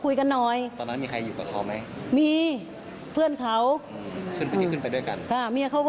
ขึ้นไปที่ขึ้นไปด้วยกัน